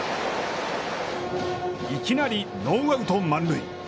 いきなりノーアウト満塁。